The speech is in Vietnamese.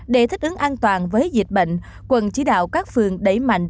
để thích ứng an toàn với dịch bệnh quận chỉ đạo các phường đẩy mạnh